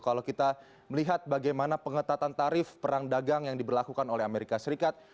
kalau kita melihat bagaimana pengetatan tarif perang dagang yang diberlakukan oleh amerika serikat